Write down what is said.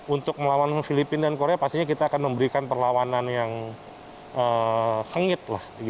untuk melawan filipina dan korea pastinya kita akan memberikan perlawanan yang sengit